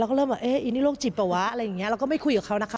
ก็เริ่มแบบเอ๊ะอีนี่โรคจิตเปล่าวะอะไรอย่างนี้เราก็ไม่คุยกับเขานะคะ